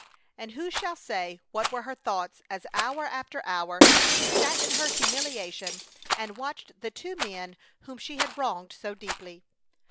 And who shall say what were her thoughts as hour after hour she sat in her humiliation and watched the two men whom she had wronged so deeply?